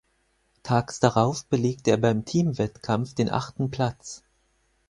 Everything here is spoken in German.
Tags darauf belegte er beim Teamwettkampf den achten Platz.